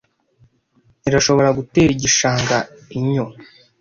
irashobora gutera igishanga inyo